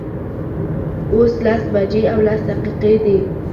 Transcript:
اوس لس بجې او لس دقیقې دي